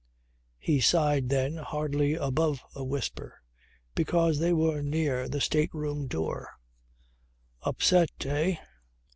He sighed then hardly above a whisper because they were near the state room door, "Upset, eh?"